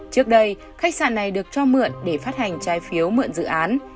trước đây khách sạn này được cho mượn để phát hành trái phiếu mượn dự án